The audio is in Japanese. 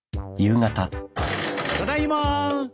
ただいまー！